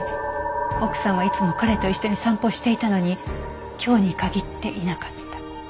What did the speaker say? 奥さんはいつも彼と一緒に散歩していたのに今日に限っていなかった。